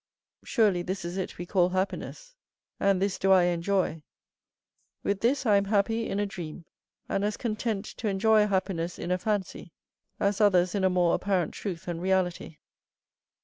Surely this is it we call happiness, and this do I enjoy; with this I am happy in a dream, and as content to enjoy a happiness in a fancy, as others in a more apparent truth and reality.